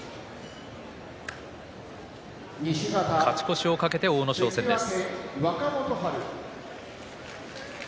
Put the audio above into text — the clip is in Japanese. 勝ち越しを懸けて阿武咲戦です。